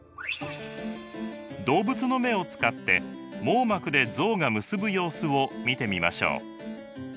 動物の目を使って網膜で像が結ぶ様子を見てみましょう。